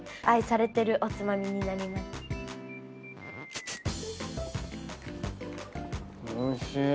愛されてるおつまみになります。